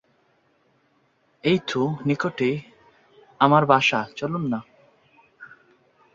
এই তো নিকটেই আমার বাসা-চলুন না?